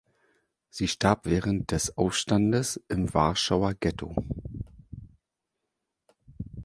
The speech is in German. Sie starb während des Aufstandes im Warschauer Ghetto.